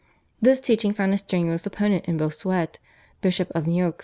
This teaching found a strenuous opponent in Bossuet, Bishop of Meaux.